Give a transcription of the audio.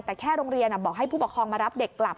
แต่แค่โรงเรียนบอกให้ผู้ปกครองมารับเด็กกลับ